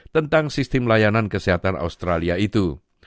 tentang sistem layanan kesehatan australia itu